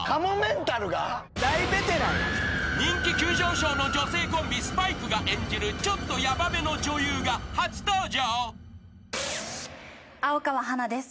［人気急上昇の女性コンビスパイクが演じるちょっとやばめの女優が初登場］